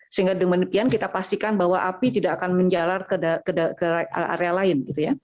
sehingga dengan demikian kita pastikan bahwa api tidak akan menjalar ke area lain